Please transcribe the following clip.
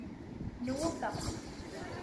Nwufeq.